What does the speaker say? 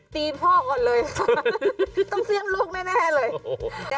ตี์พ่อก่อนเลยค่ะต้องเสียงลูกแม่เลย